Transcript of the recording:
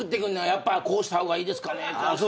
「やっぱこうした方がいいですかね？」